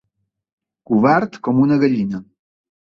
Covard com una gallina.